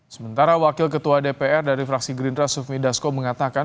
sementara wakil ketua dpr dari fraksi gerindra sufmi dasko mengatakan